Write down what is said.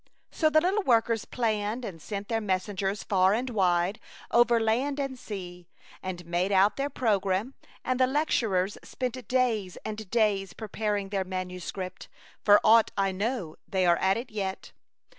So the little workers planned, and sent their messengers far and wide, A Chautauqua Idyl. loi over land and sea, and made out their programme; and the lecturers spent days and days preparing their manu script, — for aught I know they are at it yet.